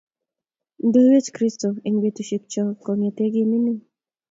Ndoiwech kristo eng betusiek chog kongete kemining